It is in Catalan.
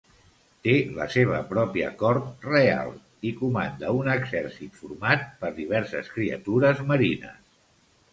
Té la seva pròpia cort real i comanda un exèrcit format per diverses criatures marines.